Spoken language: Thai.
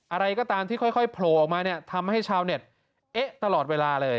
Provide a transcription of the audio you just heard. อะไรก็ตามที่ค่อยโผล่ออกมาเนี่ยทำให้ชาวเน็ตเอ๊ะตลอดเวลาเลย